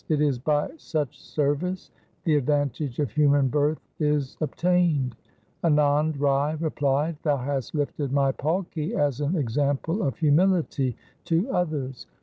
It is by such service the advantage of human birth is obtained.' Anand Rai replied, ' Thou hast lifted my palki as an ex ample of humility to others.